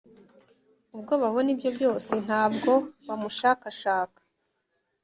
ubwo babona ibyo byose, nta bwo bamushakashaka!